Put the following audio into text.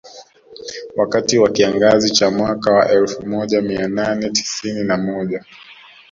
Wakati wa kiangazi cha mwaka wa elfu moja mia nane tisini na moja